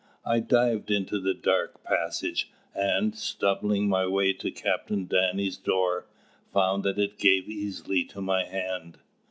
I dived into the dark passage, and, stumbling my way to Captain Danny's door, found that it gave easily to my hand.